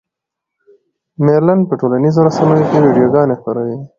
مېرلن په ټولنیزو رسنیو کې ویډیوګانې خپروي.